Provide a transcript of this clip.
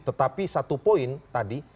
tetapi satu poin tadi